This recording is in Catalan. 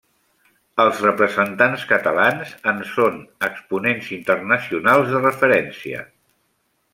Els representants catalans en són exponents internacionals de referència.